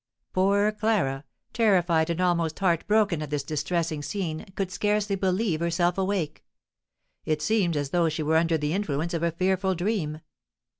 Poor Clara, terrified and almost heart broken at this distressing scene, could scarcely believe herself awake. It seemed as though she were under the influence of a fearful dream.